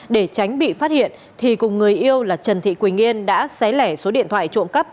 để tránh bị phát hiện thì cùng người yêu là trần thị quỳnh yên đã xé lẻ số điện thoại trộm cắp